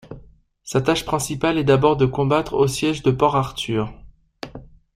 Sa tâche principale est d'abord de combattre au siège de Port-Arthur.